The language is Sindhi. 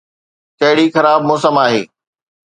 ڪهڙي خراب موسم آهي!